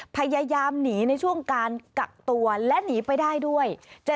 พยายามหนีในช่วงการกักตัวและหนีไปได้ด้วย